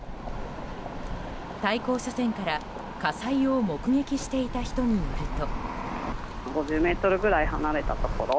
対向車線から火災を目撃していた人によると。